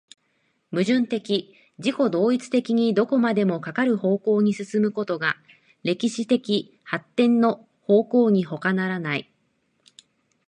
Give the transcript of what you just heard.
矛盾的自己同一的にどこまでもかかる方向に進むことが歴史的発展の方向にほかならない。